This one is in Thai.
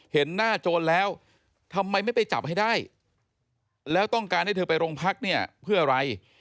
เห็นหน้าโจรแล้วทำไมไม่ไปจับให้ได้แล้วต้องการให้เธอไปโรงพักเนี่ยเพื่ออะไร